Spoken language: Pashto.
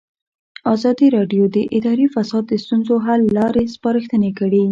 ازادي راډیو د اداري فساد د ستونزو حل لارې سپارښتنې کړي.